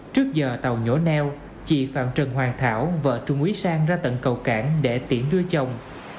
trước giờ tàu nhổ neo chị phạm trần hoàng thảo vợ trung úy sang ra tận cầu cảng để tiễn đưa chồng